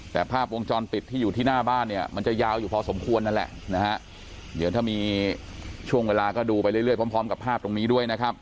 แต่ภาพวงจรปิดที่อยู่ที่หน้าบ้านเนี่ยมันจะยาวอยู่พอสมควรนั่นแหละนะฮะเดี๋ยวถ้ามีช่วงเวลาก็ดูไปเรื่อยพร้อมกับภาพตรงนี้ด้วยนะครับ